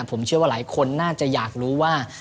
ผมเชื่อว่าหลายคนน่าจะอยากรู้ว่า